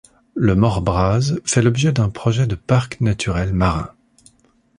Le Mor braz fait l'objet d'un projet de Parc naturel marin.